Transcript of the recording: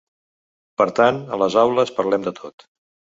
Per tant a les aules parlem de tot.